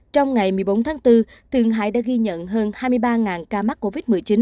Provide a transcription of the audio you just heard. trong ngày một mươi bốn tháng bốn thượng hải đã ghi nhận hơn hai mươi ba ca mắc covid một mươi chín